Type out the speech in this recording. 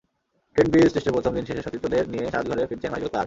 Trent Bridge টেস্টের প্রথম দিন শেষে সতীর্থদের নিয়ে সাজঘরে ফিরছেন মাইকেল ক্লার্ক।